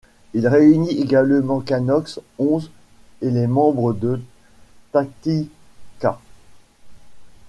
Il réunit également Canox, Onze et les membres de Taktika.